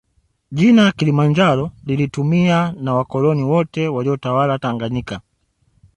Jina kilimanjaro lilitumia na wakoloni wote waliyotawala tanganyika